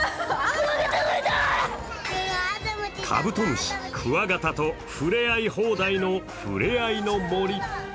カブトムシ、クワガタとふれあい放題のふれあいの森。